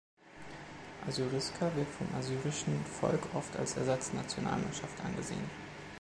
Assyriska wird vom assyrischen Volk oft als Ersatznationalmannschaft angesehen.